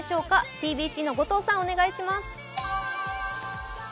ｔｂｃの後藤さん、お願いします。